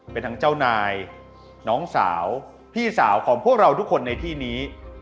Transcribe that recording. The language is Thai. เป็นทั้งเจ้านายน้องสาวพี่สาวของพวกเราทุกคนในที่นี้